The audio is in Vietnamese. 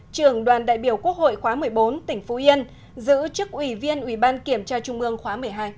trường đoàn đại biểu quốc hội khóa một mươi bốn tỉnh phú yên giữ chức ủy viên ủy ban kiểm tra trung ương khóa một mươi hai